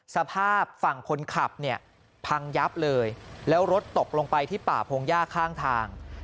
สภาพฝั่งคนขับเนี่ยพังยับเลยแล้วรถตกลงไปที่ป่าพงหญ้าข้างทาง